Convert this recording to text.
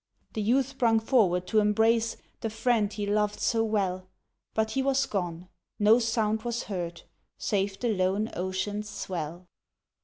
The youth sprung forward to embrace The friend he loved so well, But he was gone; no sound was heard, Save the lone ocean's swell.